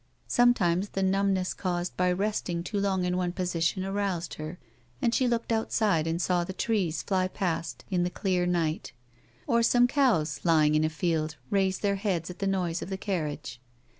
Sometimes the numbness caused by resting too long in one position aroused her, and she looked outside and saw the trees fly past in the clear night, or some coavs, lying in a field, raise their heads at the noise of the carriage.